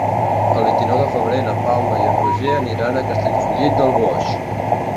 El vint-i-nou de febrer na Paula i en Roger aniran a Castellfollit del Boix.